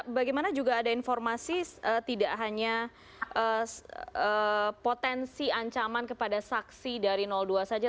bagaimana juga ada informasi tidak hanya potensi ancaman kepada saksi dari dua saja